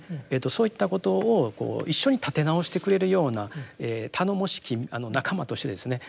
そういったことを一緒に立て直してくれるような頼もしき仲間としてですね